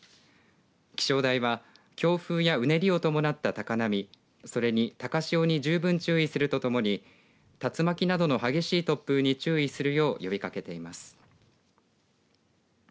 気象台は強風やうねりを伴った高波、それに高潮に十分注意するとともに竜巻などの激しい突風に注意するよう呼びかけています。